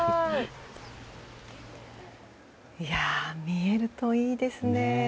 見えるといいですね。